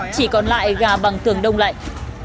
chỉ còn lại gà bằng tường đông lạnh